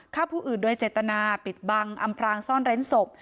ฆ่าผู้อื่นโดยเจตนาปิดบังอำพรางซ่อนเร้นศพ